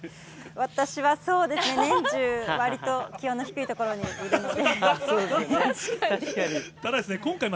私はそうですね、年中、わりと気温の低いところにいるので。